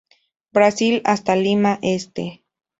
Brasil hasta Lima Este.